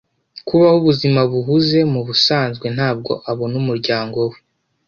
Kubaho ubuzima buhuze, mubusanzwe ntabwo abona umuryango we.